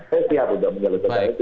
saya siap untuk menyelesaikan itu